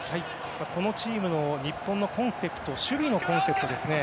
このチームの日本の守備のコンセプトですね。